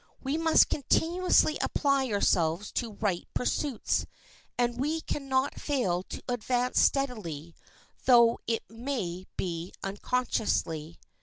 We must continuously apply ourselves to right pursuits, and we can not fail to advance steadily, though it may be unconsciously.